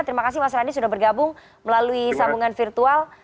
terima kasih mas randi sudah bergabung melalui sambungan virtual